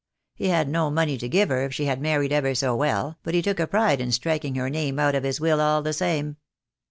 He had no money to give her if she had married ever so well, but he took a pride in striking her name out of his will all the same."